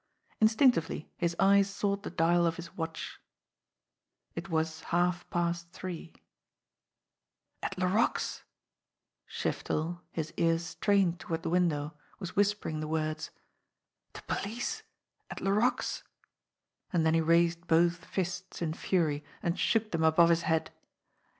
Instinctively his eyes sought the dial of his watch. It was half past three. "At Laroque's!" Shiftel, his ears strained toward the 40 JIMMIE DALE AND THE PHANTOM CLUE window, was whispering the words. "The police at La roque's!" And then he raised both fists in fury and shook them above his head.